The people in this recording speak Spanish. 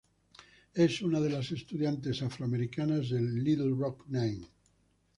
Es una de las estudiantes afroamericanas del "Little Rock Nine".